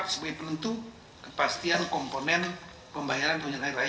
sebagai penentu kepastian komponen pembayaran thr